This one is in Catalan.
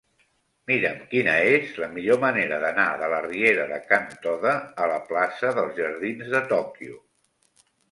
Mira'm quina és la millor manera d'anar de la riera de Can Toda a la plaça dels Jardins de Tòquio.